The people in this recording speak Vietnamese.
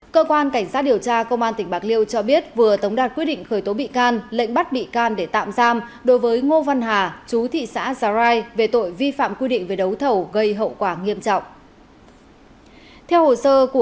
cơ quan cảnh sát điều tra công an tỉnh bạc liêu cho biết vừa tống đạt quyết định khởi tố bị can lệnh bắt bị can để tạm giam đối với ngô văn hà chú thị xã giá rai về tội vi phạm quy định về đấu thầu gây hậu quả nghiêm trọng